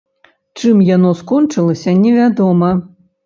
Чым яно скончылася, невядома.